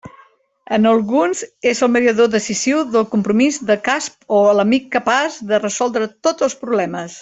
En alguns és el mediador decisiu del Compromís de Casp o l'amic capaç de resoldre tots els problemes.